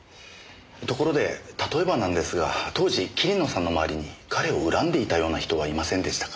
ところで例えばなんですが当時桐野さんの周りに彼を恨んでいたような人はいませんでしたか？